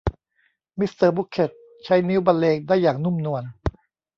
มิสเตอร์บุคเค็ทใช้นิ้วบรรเลงได้อย่างนุ่มนวล